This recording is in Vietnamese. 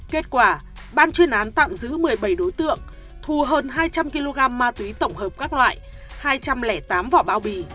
kết quả ban chuyên án tạm giữ một mươi bảy đối tượng thu hơn hai trăm linh kg ma túy tổng hợp các loại hai trăm linh tám vỏ bao bì